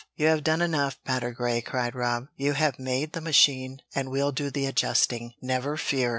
"You have done enough, Patergrey," cried Rob. "You have made the machine, and we'll do the adjusting, never fear!